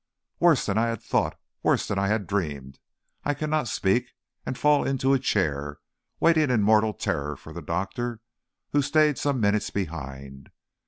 Worse than I had thought, worse than I had dreamed! I cannot speak, and fall into a chair, waiting in mortal terror for the doctor, who stayed some minutes behind.